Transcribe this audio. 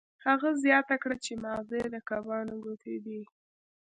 هغه زیاته کړه چې ماغزه یې د کبانو ګوتې دي